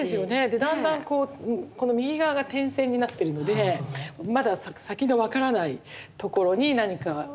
でだんだんこの右側が点線になってるのでまだ先が分からないところに何かエネルギーがあるような。